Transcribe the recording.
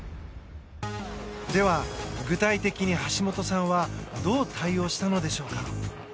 では、具体的に橋本さんはどう対応したのでしょうか。